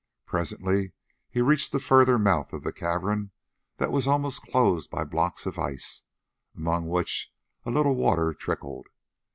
Presently he reached the further mouth of the cavern that was almost closed by blocks of ice, among which a little water trickled.